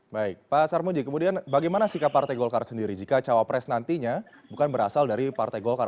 baik pak sarmuji kemudian bagaimana sikap partai golkar sendiri jika cawapres nantinya bukan berasal dari partai golkar